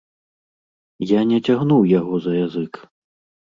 Я не цягнуў яго за язык.